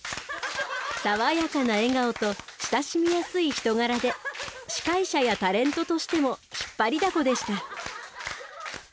爽やかな笑顔と親しみやすい人柄で司会者やタレントとしても引っ張りだこでした。